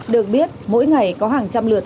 được biết mỗi ngày có hàng trăm lượt